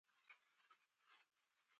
زه د علم د زده کړې لپاره متعهد یم.